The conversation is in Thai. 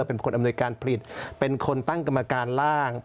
เป็นคนอำนวยการผลิตเป็นคนตั้งกรรมการร่าง